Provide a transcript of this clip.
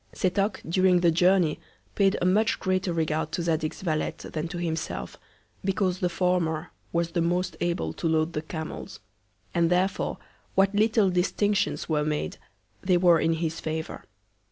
Setoc, during the Journey, paid a much greater Regard to Zadig's Valet, than to himself; because the former was the most able to load the Camels; and therefore what little Distinctions were made, they were in his Favour.